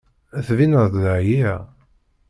Ttbineɣ-d εyiɣ?